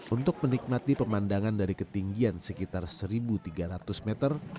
untuk menikmati pemandangan dari ketinggian sekitar satu tiga ratus meter